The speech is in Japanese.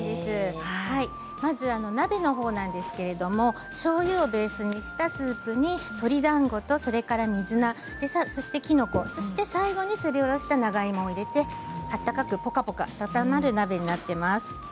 まず鍋のほうなんですけどしょうゆをベースにしたスープに鶏だんごと、それから水菜そして、きのこ最後にすりおろした長芋を入れて温かくポカポカ温まる鍋になっています。